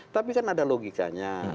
tapi kan ada logikanya